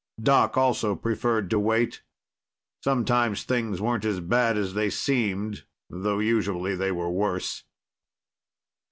Doc also preferred to wait. Sometimes things weren't as bad as they seemed, though usually they were worse.